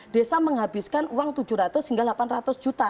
desa menghabiskan uang tujuh ratus hingga delapan ratus juta